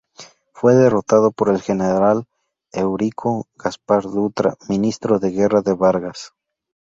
Fue derrotado por el general Eurico Gaspar Dutra, ministro de Guerra de Vargas.